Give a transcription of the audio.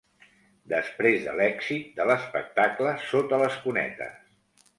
Després de l’èxit de l’espectacle Sota les cunetes.